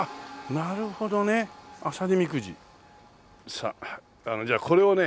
さあじゃあこれをね